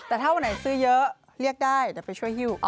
แต่ถ้าวันไหนซื้อเยอะเรียกได้เดี๋ยวไปช่วยฮิ้ว